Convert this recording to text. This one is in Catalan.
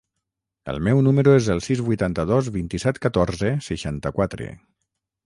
El meu número es el sis, vuitanta-dos, vint-i-set, catorze, seixanta-quatre.